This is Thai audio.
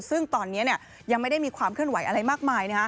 ซึ่งตอนนี้ยังไม่ได้มีความเคลื่อนไหวอะไรมากมาย